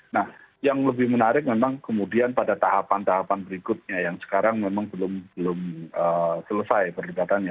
nah yang lebih menarik memang kemudian pada tahapan tahapan berikutnya yang sekarang memang belum selesai perdebatannya